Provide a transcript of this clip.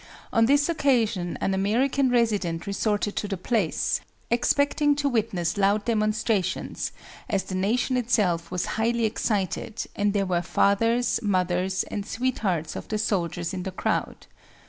On this occasion an American resident resorted to the place, expecting to witness loud demonstrations, as the nation itself was highly excited and there were fathers, mothers, and sweethearts of the soldiers in the crowd.